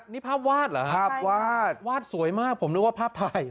นี่ภาพวาดเหรอภาพวาดวาดสวยมากผมนึกว่าภาพถ่าย